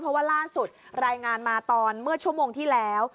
เพราะว่าล่าสุดรายงานมาตอนเมื่อชั่วโมงที่แล้ว